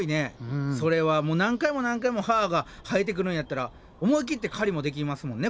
それは何回も何回も歯が生えてくるんやったら思い切って狩りもできますもんね